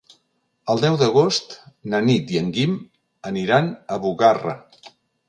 El deu d'agost na Nit i en Guim aniran a Bugarra.